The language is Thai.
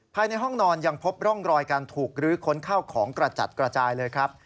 ภายในห้องนอนยังพบร่องรอยการถูกรื้อค้นข้าวของกระจัดกระจายเลยครับ